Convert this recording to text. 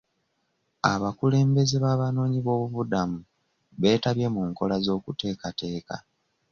Abakulembeze b'abanoonyi b'obubuddamu beetabye mu nkola z'okuteekateka.